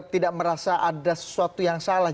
tidak merasa ada sesuatu yang salah